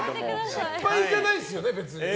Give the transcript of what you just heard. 失敗じゃないですよね、別にね。